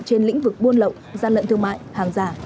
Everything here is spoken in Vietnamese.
trên lĩnh vực buôn lậu gian lận thương mại hàng giả